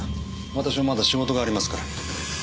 私もまだ仕事がありますから。